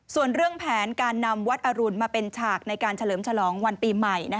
ส่วนเรื่องแผนการนำวัดอรุณมาเป็นฉากในการเฉลิมฉลองวันปีใหม่